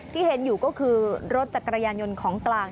ที่เห็นอยู่ก็คือรถจักรยานยนต์ของกลาง